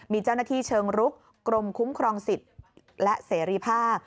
มีเจ้าหน้าที่เชิงรุกกรมคุ้มครองสิทธิ์และเสรีภาพ